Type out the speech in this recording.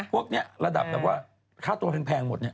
พวกนี้ระดับแบบว่าค่าตัวแพงหมดเนี่ย